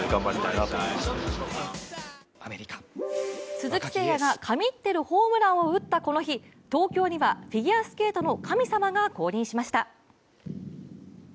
鈴木誠也が神ってるホームランを打ったこの日東京にはフィギュアスケートの神様が降臨しました。